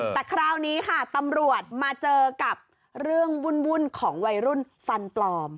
แต่คราวนี้ค่ะตำรวจมาเจอกับเรื่องวุ่นของวัยรุ่นฟันปลอม